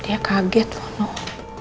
dia kaget loh noh